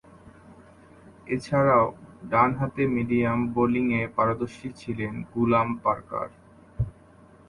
এছাড়াও, ডানহাতে মিডিয়াম বোলিংয়ে পারদর্শী ছিলেন গুলাম পার্কার।